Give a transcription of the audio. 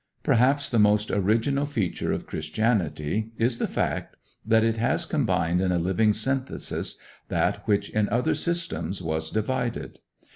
Perhaps the most original feature of Christianity is the fact that it has combined in a living synthesis that which in other systems was divided.